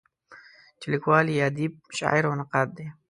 چې لیکوال یې ادیب، شاعر او نقاد دی.